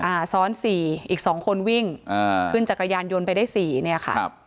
อ่าซ้อนสี่อีกสองคนวิ่งอ่าขึ้นจักรยานยนต์ไปได้สี่เนี้ยค่ะครับ